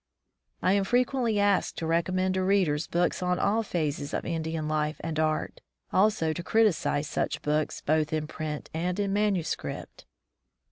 I am frequently asked to recommend to readers books on all phases of Indian life and art, also to criticize such books both in print and in manuscript.